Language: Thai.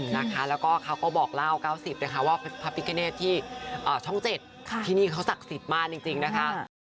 แล้วก็เขาก็บอกเล่า๙๐นะคะว่าพระพิกาเนตที่ช่อง๗ที่นี่เขาศักดิ์สิทธิ์มากจริงนะคะ